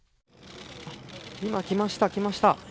今、来ました、来ました。